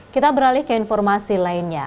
kita beralih ke informasi lainnya